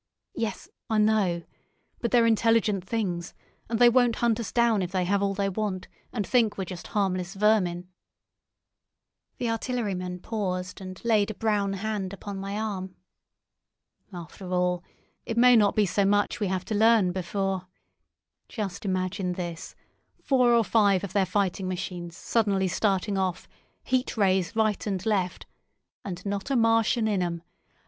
Yes, I know. But they're intelligent things, and they won't hunt us down if they have all they want, and think we're just harmless vermin." The artilleryman paused and laid a brown hand upon my arm. "After all, it may not be so much we may have to learn before—Just imagine this: four or five of their fighting machines suddenly starting off—Heat Rays right and left, and not a Martian in 'em.